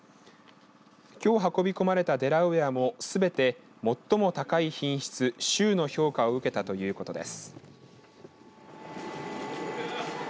きょう運び込まれたデラウエアもすべて最も高い品質、秀の評価を受けたということです。